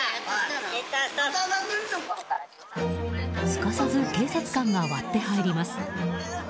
すかさず警察官が割って入ります。